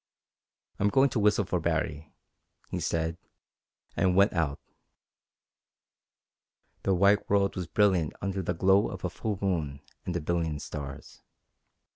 "I'm going to whistle for Baree," he said, and went out. The white world was brilliant under the glow of a full moon and a billion stars.